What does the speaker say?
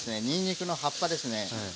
にんにくの葉っぱですね